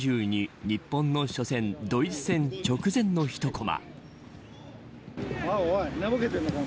日本の初戦ドイツ戦直前の一コマ。